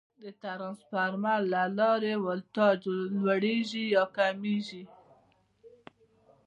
د ترانسفارمر له لارې ولټاژ لوړېږي یا کمېږي.